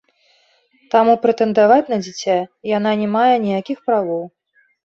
Таму прэтэндаваць на дзіця яна не мае ніякіх правоў.